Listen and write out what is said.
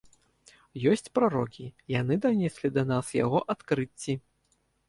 Ёсць прарокі, яны данеслі да нас яго адкрыцці.